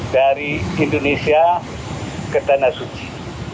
dari indonesia ke tanah suci